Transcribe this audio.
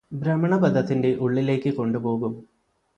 ഭ്രമണപഥത്തിന്റെ ഉള്ളിലേയ്ക് കൊണ്ടുപോകും